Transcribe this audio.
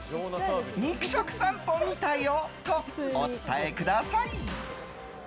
肉食さんぽ見たよとお伝えください。